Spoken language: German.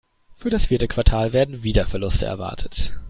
Für das vierte Quartal werden wieder Verluste erwartet.